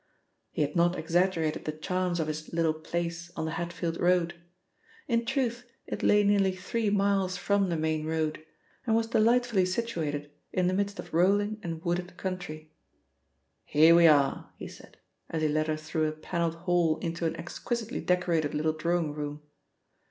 He had not exaggerated the charms of his "little place" on the Hatfield Road. In truth, it lay nearly three miles from the main road, and was delightfully situated in the midst of rolling and wooded country. "Here we are," he said, as he led her through a panelled hall into an exquisitely decorated little drawing room.